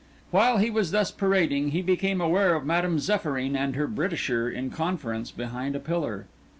While he was thus parading, he became aware of Madame Zéphyrine and her Britisher in conference behind a pillar.